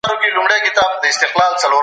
د هر فرد ژوند له لټون سره تړلی دی.